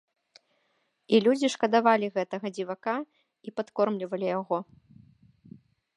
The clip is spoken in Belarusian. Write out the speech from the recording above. І людзі шкадавалі гэтага дзівака і падкормлівалі яго.